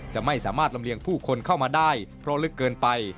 จะไม่สามารถลำเลียงผู้คนเข้ามาได้เพราะลึกเกินไป